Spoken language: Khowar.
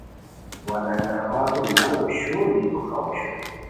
وا لنگر آبادو نانو شون دی دروخاؤ اوشوئے